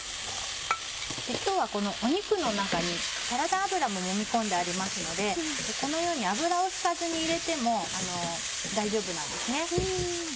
今日はこの肉の中にサラダ油ももみ込んでありますのでこのように油を引かずに入れても大丈夫なんですね。